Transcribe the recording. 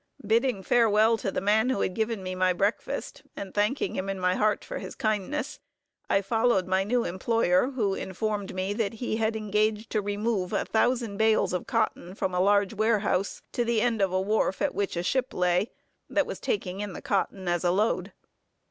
Bidding farewell to the man who had given me my breakfast, and thanking him in my heart for his kindness, I followed my new employer, who informed me that he had engaged to remove a thousand bales of cotton from a large warehouse, to the end of a wharf at which a ship lay, that was taking in the cotton as a load.